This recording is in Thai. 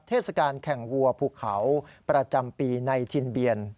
เทศกาลแข่งวัวภูเขาประจำปีในถิ่นเบียน